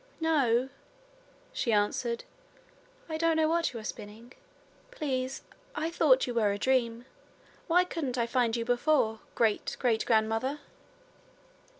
No,' she answered; 'I don't know what you are spinning. Please, I thought you were a dream. Why couldn't I find you before, great great grandmother?'